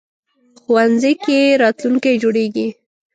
ښوونځی کې راتلونکی جوړېږي